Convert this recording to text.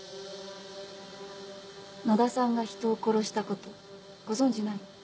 野田さんが人を殺したことご存じない？